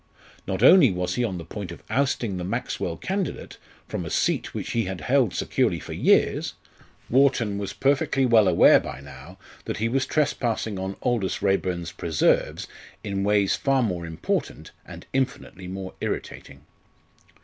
Not only was he on the point of ousting the Maxwell candidate from a seat which he had held securely for years Wharton was perfectly well aware by now that he was trespassing on Aldous Raeburn's preserves in ways far more important, and infinitely more irritating!